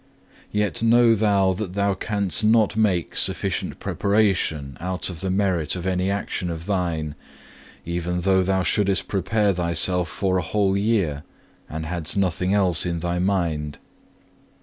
2. Yet know thou that thou canst not make sufficient preparation out of the merit of any action of thine, even though thou shouldest prepare thyself for a whole year, and hadst nothing else in thy mind.